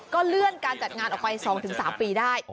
ก็เลื่อนการจัดงานออกไป๒๓ปีได้